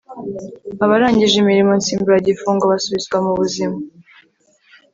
abarangije imirimo nsimburagifungo basubizwa mu buzima